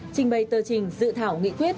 trình bày tờ trình dự thảo nghị quyết